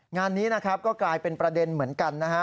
งานนี้นะครับก็กลายเป็นประเด็นเหมือนกันนะฮะ